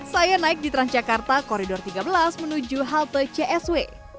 saya naik di transjakarta koridor tiga belas menuju halte csw